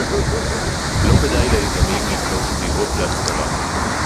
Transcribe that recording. לא כדאי ליזמים לבנות דירות להשכרה